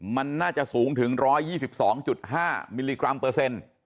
มันน่าจะสูงถึง๑๒๒๕มิลลิกรัมเปอร์เซ็นต์